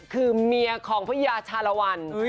คือเมียของพระยาชาลวัน